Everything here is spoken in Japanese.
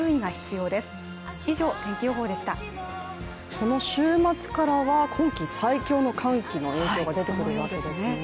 この週末からは今季最強の寒気の影響が出てくるわけですね。